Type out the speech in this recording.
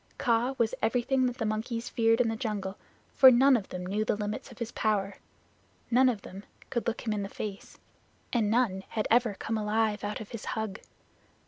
Kaa was everything that the monkeys feared in the jungle, for none of them knew the limits of his power, none of them could look him in the face, and none had ever come alive out of his hug.